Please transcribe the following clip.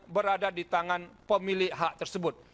berada di tangan pemilik hak tersebut